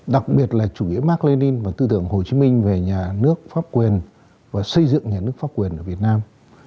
đặc biệt là chủ nghĩa mark lenin và tư tưởng hồ chí minh về nhà nước pháp quyền và xây dựng nhà nước pháp quyền ở việt nam